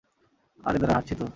আরে দাঁড়া, হাঁটছি তো।